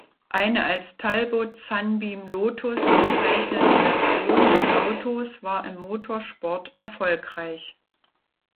Eine als Talbot Sunbeam Lotus bezeichnete Version des Autos war im Motorsport erfolgreich.